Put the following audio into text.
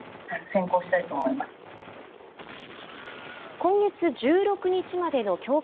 今月１６日までの強化